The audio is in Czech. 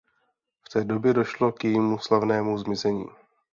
V té době došlo k jejímu slavnému zmizení.